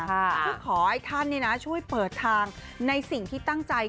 เพื่อขอให้ท่านช่วยเปิดทางในสิ่งที่ตั้งใจ